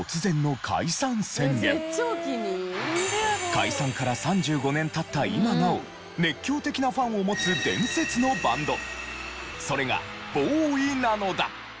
解散から３５年経った今なお熱狂的なファンを持つ伝説のバンドそれがＢＯＷＹなのだ。